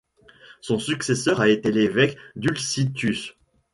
Son successeur a été l'évêque Dulcitius.